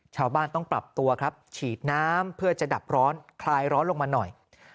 ชาวบ้านต้องปรับตัวครับฉีดน้ำเพื่อจะดับร้อนคลายร้อนลงมาหน่อย